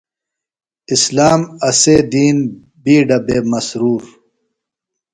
اسلام اسے دین بِیڈہ بےۡ مسرور۔